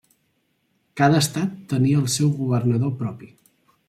Cada estat tenia el seu governador propi.